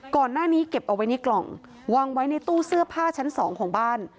ก่อนหน้านี้เก็บเอาไว้ในกล่องวางไว้ในตู้เสื้อผ้าชั้นสองของบ้าน